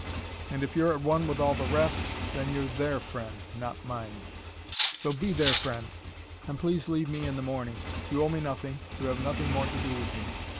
And if you're at one with all the rest, then you're THEIR friend, not mine. So be their friend. And please leave me in the morning. You owe me nothing, you have nothing more to do with me.